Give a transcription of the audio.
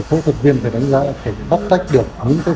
phẫu thuật viên phải đánh giá phải bóc tách được